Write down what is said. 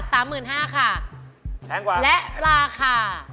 แทนกว่าและราค่ะ